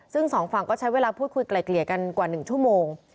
ซึ่งสองฝั่งก็ใช้เวลาพูดคุยไกลเกลี่ยกันกว่า๑ชั่วโมง